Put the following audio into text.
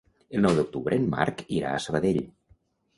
El nou d'octubre en Marc irà a Sabadell.